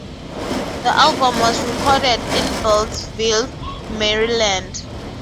The album was recorded in Beltsville, Maryland.